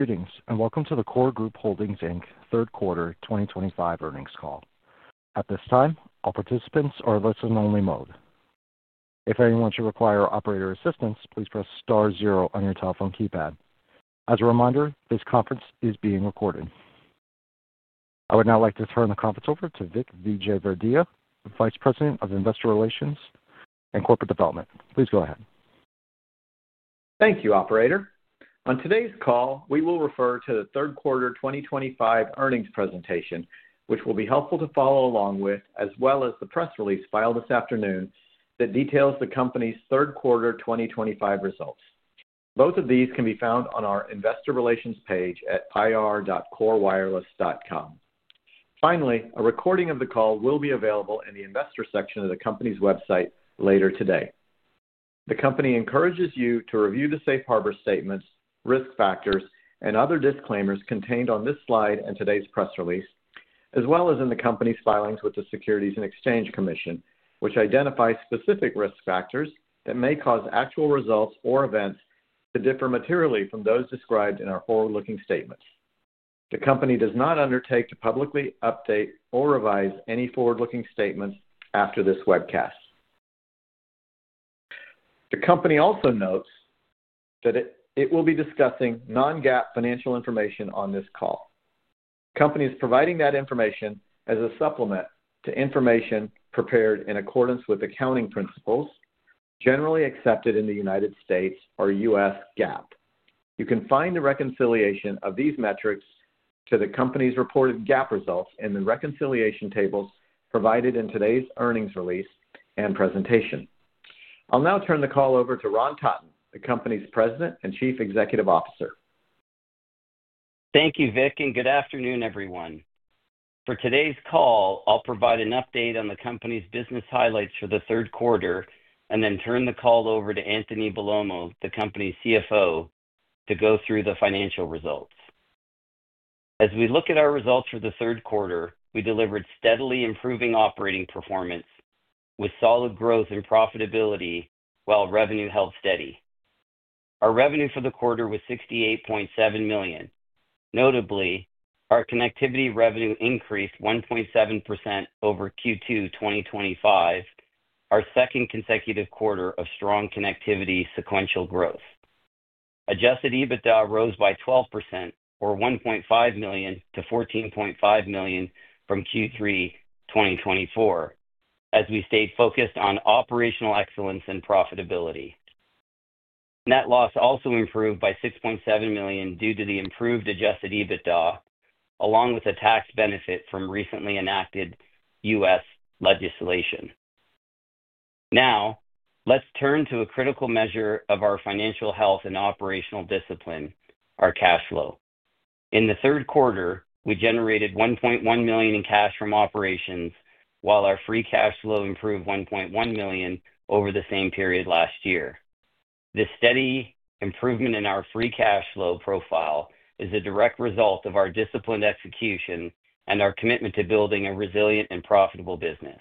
Greetings and welcome to the KORE Group Holdings third quarter 2025 Earnings Call. At this time, all participants are in listen-only mode. If anyone should require operator assistance, please press star zero on your telephone keypad. As a reminder, this conference is being recorded. I would now like to turn the conference over to Vik Vijayvergiya, Vice President of Investor Relations and Corporate Development. Please go ahead. Thank you, Operator. On today's call, we will refer to the Third Quarter 2025 earnings presentation, which will be helpful to follow along with, as well as the press release filed this afternoon that details the company's Third Quarter 2025 results. Both of these can be found on our Investor Relations page at ir.korewireless.com. Finally, a recording of the call will be available in the investor section of the company's website later today. The company encourages you to review the safe harbor statements, risk factors, and other disclaimers contained on this slide and today's press release, as well as in the company's filings with the Securities and Exchange Commission, which identify specific risk factors that may cause actual results or events to differ materially from those described in our forward-looking statements. The company does not undertake to publicly update or revise any forward-looking statements after this webcast. The company also notes that it will be discussing non-GAAP financial information on this call. The company is providing that information as a supplement to information prepared in accordance with accounting principles generally accepted in the United States or U.S. GAAP. You can find the reconciliation of these metrics to the company's reported GAAP results in the reconciliation tables provided in today's earnings release and presentation. I'll now turn the call over to Ron Totton, the company's President and Chief Executive Officer. Thank you, Vik, and good afternoon, everyone. For today's call, I'll provide an update on the company's business highlights for the third quarter and then turn the call over to Anthony Bellomo, the company's CFO, to go through the financial results. As we look at our results for the third quarter, we delivered steadily improving operating performance with solid growth and profitability while revenue held steady. Our revenue for the quarter was $68.7 million. Notably, our connectivity revenue increased 1.7% over Q2 2025, our second consecutive quarter of strong connectivity sequential growth. Adjusted EBITDA rose by 12%, or $1.5 million to $14.5 million from Q3 2024, as we stayed focused on operational excellence and profitability. Net loss also improved by $6.7 million due to the improved adjusted EBITDA, along with a tax benefit from recently enacted U.S. legislation. Now, let's turn to a critical measure of our financial health and operational discipline, our cash flow. In the third quarter, we generated $1.1 million in cash from operations, while our free cash flow improved $1.1 million over the same period last year. This steady improvement in our free cash flow profile is a direct result of our disciplined execution and our commitment to building a resilient and profitable business.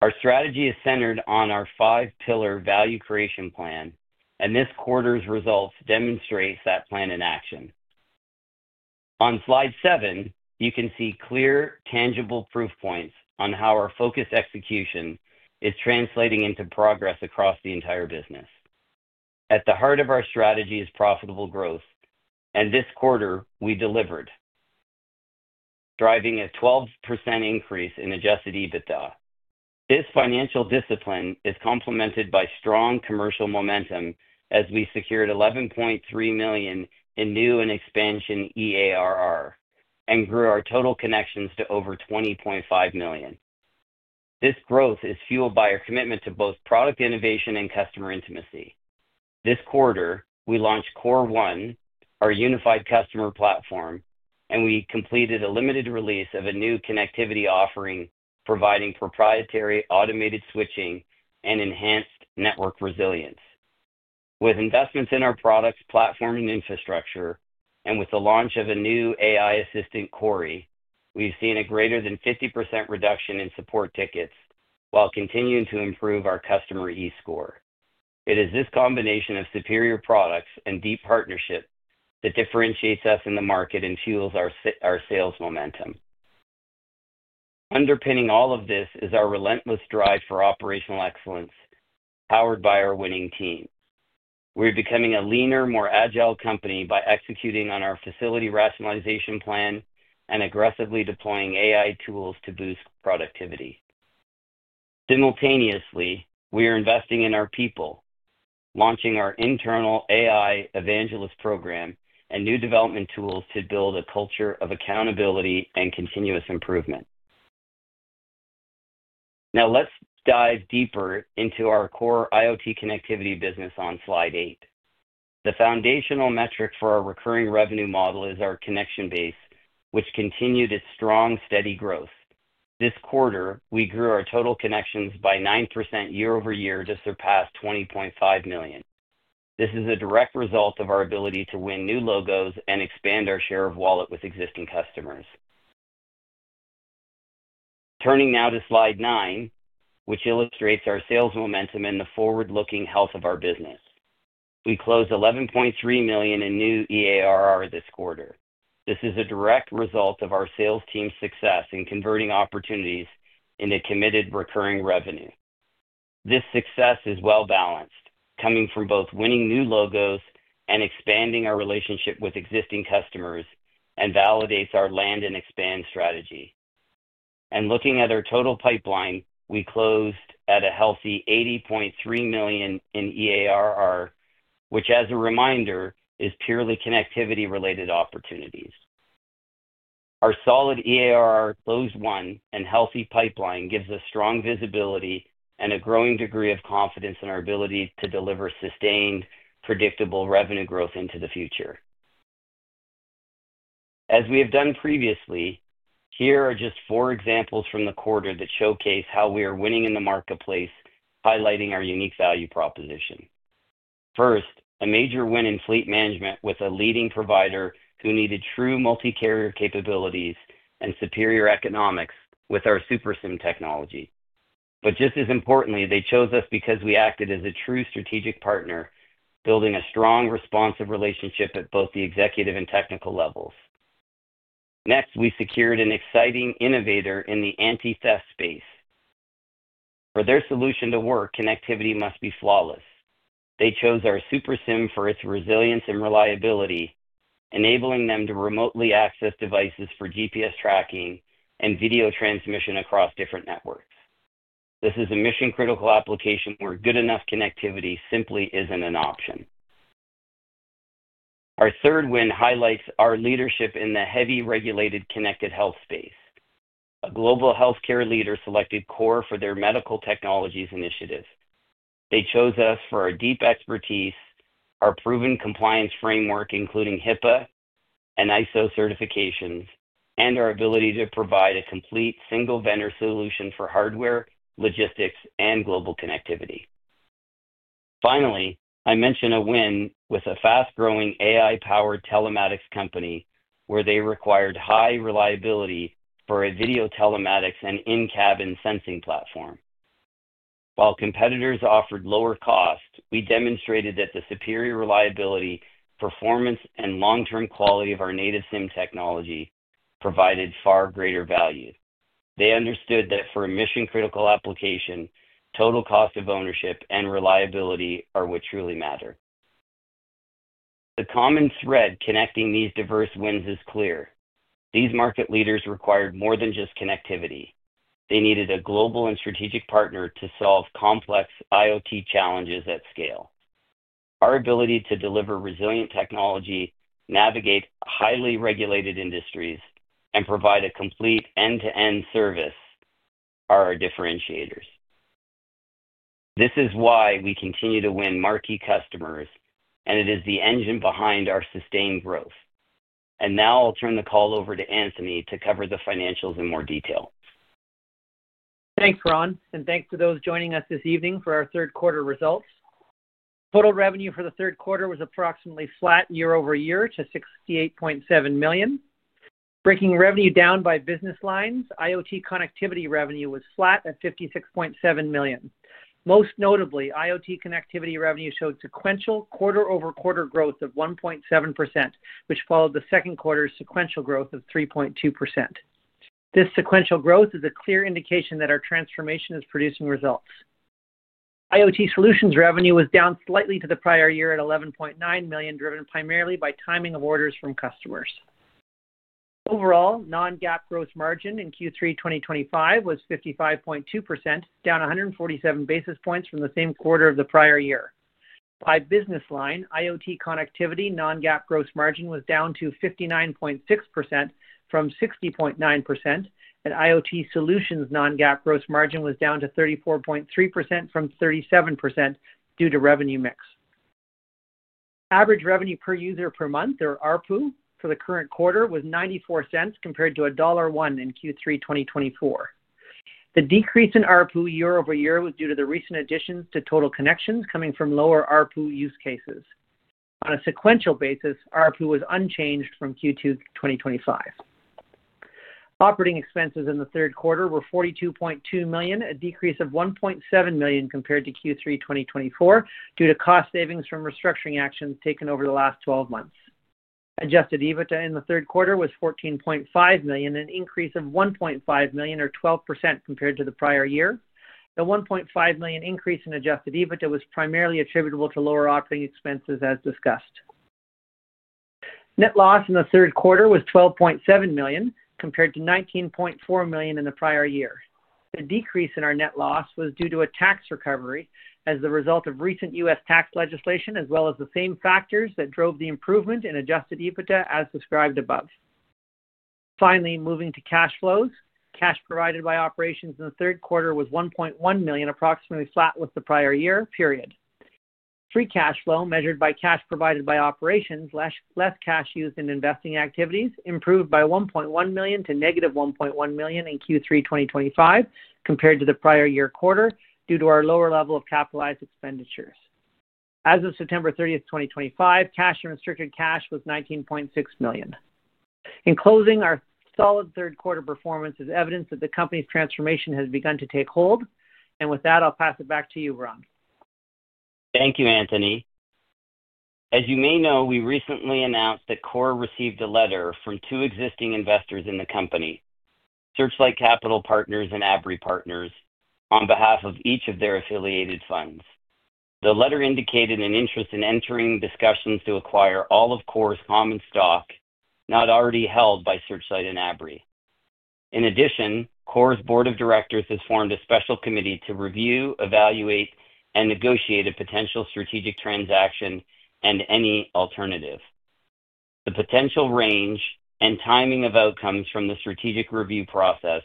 Our strategy is centered on our five-pillar value creation plan, and this quarter's results demonstrate that plan in action. On slide seven, you can see clear, tangible proof points on how our focused execution is translating into progress across the entire business. At the heart of our strategy is profitable growth, and this quarter, we delivered, driving a 12% increase in adjusted EBITDA. This financial discipline is complemented by strong commercial momentum as we secured $11.3 million in new and expansion EARR and grew our total connections to over 20.5 million. This growth is fueled by our commitment to both product innovation and customer intimacy. This quarter, we launched KORE One, our unified customer platform, and we completed a limited release of a new connectivity offering providing proprietary automated switching and enhanced network resilience. With investments in our products, platform, and infrastructure, and with the launch of a new AI assistant, Kory, we've seen a greater than 50% reduction in support tickets while continuing to improve our customer eScore. It is this combination of superior products and deep partnership that differentiates us in the market and fuels our sales momentum. Underpinning all of this is our relentless drive for operational excellence powered by our winning team. We're becoming a leaner, more agile company by executing on our facility rationalization plan and aggressively deploying AI tools to boost productivity. Simultaneously, we are investing in our people, launching our internal AI evangelist program and new development tools to build a culture of accountability and continuous improvement. Now, let's dive deeper into our core IoT connectivity business on slide eight. The foundational metric for our recurring revenue model is our connection base, which continued its strong, steady growth. This quarter, we grew our total connections by 9% year-over-year to surpass 20.5 million. This is a direct result of our ability to win new logos and expand our share of wallet with existing customers. Turning now to slide nine, which illustrates our sales momentum and the forward-looking health of our business. We closed $11.3 million in new EARR this quarter. This is a direct result of our sales team's success in converting opportunities into committed recurring revenue. This success is well-balanced, coming from both winning new logos and expanding our relationship with existing customers and validates our land and expand strategy. Looking at our total pipeline, we closed at a healthy $80.3 million in EARR, which, as a reminder, is purely connectivity-related opportunities. Our solid EARR close one and healthy pipeline gives us strong visibility and a growing degree of confidence in our ability to deliver sustained, predictable revenue growth into the future. As we have done previously, here are just four examples from the quarter that showcase how we are winning in the marketplace, highlighting our unique value proposition. First, a major win in fleet management with a leading provider who needed true multi-carrier capabilities and superior economics with our SuperSIM technology. Just as importantly, they chose us because we acted as a true strategic partner, building a strong, responsive relationship at both the executive and technical levels. Next, we secured an exciting innovator in the anti-theft space. For their solution to work, connectivity must be flawless. They chose our SuperSIM for its resilience and reliability, enabling them to remotely access devices for GPS tracking and video transmission across different networks. This is a mission-critical application where good enough connectivity simply isn't an option. Our third win highlights our leadership in the heavily regulated connected health space. A global healthcare leader selected KORE for their medical technologies initiative. They chose us for our deep expertise, our proven compliance framework including HIPAA and ISO certifications, and our ability to provide a complete single vendor solution for hardware, logistics, and global connectivity. Finally, I mention a win with a fast-growing AI-powered telematics company where they required high reliability for a video telematics and in-cabin sensing platform. While competitors offered lower cost, we demonstrated that the superior reliability, performance, and long-term quality of our native SIM technology provided far greater value. They understood that for a mission-critical application, total cost of ownership and reliability are what truly matter. The common thread connecting these diverse wins is clear. These market leaders required more than just connectivity. They needed a global and strategic partner to solve complex IoT challenges at scale. Our ability to deliver resilient technology, navigate highly regulated industries, and provide a complete end-to-end service are our differentiators. This is why we continue to win marquee customers, and it is the engine behind our sustained growth. Now I'll turn the call over to Anthony to cover the financials in more detail. Thanks, Ron, and thanks to those joining us this evening for our third quarter results. Total revenue for the third quarter was approximately flat year-over-year to $68.7 million. Breaking revenue down by business lines, IoT connectivity revenue was flat at $56.7 million. Most notably, IoT connectivity revenue showed sequential quarter-over-quarter growth of 1.7%, which followed the second quarter's sequential growth of 3.2%. This sequential growth is a clear indication that our transformation is producing results. IoT solutions revenue was down slightly to the prior year at $11.9 million, driven primarily by timing of orders from customers. Overall, non-GAAP gross margin in Q3 2025 was 55.2%, down 147 basis points from the same quarter of the prior year. By business line, IoT connectivity non-GAAP gross margin was down to 59.6% from 60.9%, and IoT solutions non-GAAP gross margin was down to 34.3% from 37% due to revenue mix. Average revenue per user per month, or ARPU, for the current quarter was $0.94 compared to $1.01 in Q3 2024. The decrease in ARPU year-over-year was due to the recent additions to total connections coming from lower ARPU use cases. On a sequential basis, ARPU was unchanged from Q2 2025. Operating expenses in the third quarter were $42.2 million, a decrease of $1.7 million compared to Q3 2024 due to cost savings from restructuring actions taken over the last 12 months. Adjusted EBITDA in the third quarter was $14.5 million, an increase of $1.5 million, or 12% compared to the prior year. The $1.5 million increase in adjusted EBITDA was primarily attributable to lower operating expenses, as discussed. Net loss in the third quarter was $12.7 million compared to $19.4 million in the prior year. The decrease in our net loss was due to a tax recovery as the result of recent U.S. tax legislation, as well as the same factors that drove the improvement in adjusted EBITDA, as described above. Finally, moving to cash flows, cash provided by operations in the third quarter was $1.1 million, approximately flat with the prior year. Free cash flow measured by cash provided by operations less cash used in investing activities improved by $1.1 million to negative $1.1 million in Q3 2025 compared to the prior year quarter due to our lower level of capitalized expenditures. As of September 30, 2025, cash and restricted cash was $19.6 million. In closing, our solid third quarter performance is evidence that the company's transformation has begun to take hold. With that, I'll pass it back to you, Ron. Thank you, Anthony. As you may know, we recently announced that KORE received a letter from two existing investors in the company, Searchlight Capital Partners and Abri Partners, on behalf of each of their affiliated funds. The letter indicated an interest in entering discussions to acquire all of KORE's common stock not already held by Searchlight and Abri. In addition, KORE's board of directors has formed a special committee to review, evaluate, and negotiate a potential strategic transaction and any alternative. The potential range and timing of outcomes from the strategic review process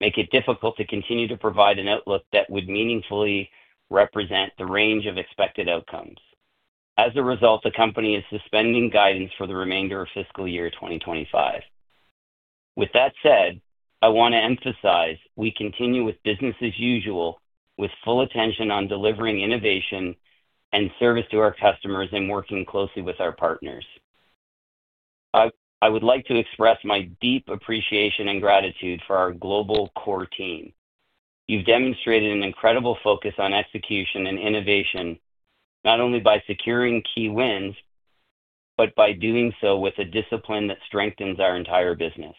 make it difficult to continue to provide an outlook that would meaningfully represent the range of expected outcomes. As a result, the company is suspending guidance for the remainder of fiscal year 2025. With that said, I want to emphasize we continue with business as usual, with full attention on delivering innovation and service to our customers and working closely with our partners. I would like to express my deep appreciation and gratitude for our global KORE team. You've demonstrated an incredible focus on execution and innovation, not only by securing key wins, but by doing so with a discipline that strengthens our entire business.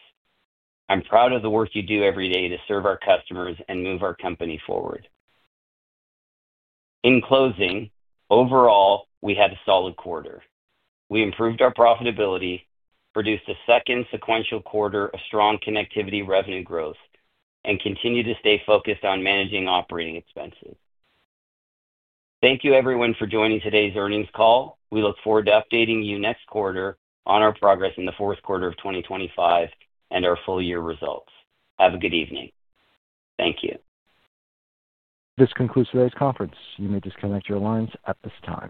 I'm proud of the work you do every day to serve our customers and move our company forward. In closing, overall, we had a solid quarter. We improved our profitability, produced a second sequential quarter of strong connectivity revenue growth, and continue to stay focused on managing operating expenses. Thank you, everyone, for joining today's earnings call. We look forward to updating you next quarter on our progress in the fourth quarter of 2025 and our full year results. Have a good evening. Thank you. This concludes today's conference. You may disconnect your lines at this time.